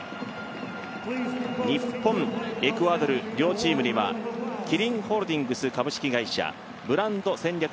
日本、エクアドル、両チームにはキリンホールディングス株式会社ブランド戦略